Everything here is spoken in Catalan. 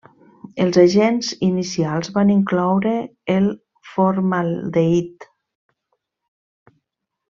Els agents inicials van incloure el formaldehid.